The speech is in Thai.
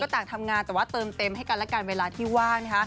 แต่ว่าเติมเต็มให้กันและกันเวลาที่ว่าง